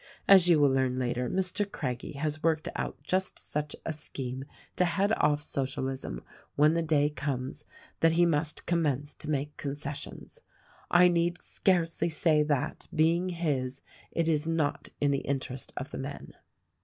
As you will learn later, Mr. Craggie has worked out just such a scheme to head off Socialism when the day comes that he must commence to 252 THE RECORDING ANGEL make concessions. I need scarcely say that, being his, it is not in the interest of the men.